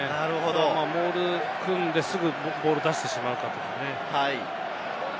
モール組んですぐボールを出してしまうとかね。